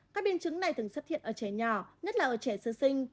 các biên chứng này thường xuất hiện ở trẻ nhỏ nhất là ở trẻ sơ sinh